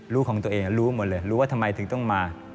ลูกของตัวเองรู้หมดเลยรู้ว่าทำไมถึงต้องมา